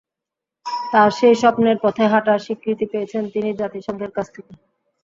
তাঁর সেই স্বপ্নের পথে হাঁটার স্বীকৃতি পেয়েছেন তিনি জাতিসংঘের কাছ থেকে।